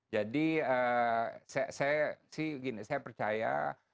jadi saya percaya